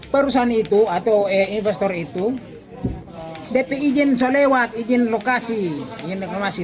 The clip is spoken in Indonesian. perusahaan itu atau investor itu dp izin selewat izin lokasi